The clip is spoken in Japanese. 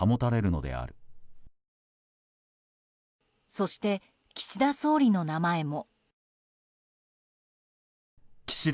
そして、岸田総理の名前も。